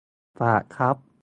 ฝากครับ